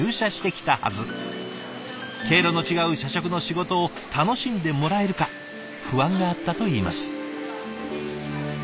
毛色の違う社食の仕事を楽しんでもらえるか不安があったといいます。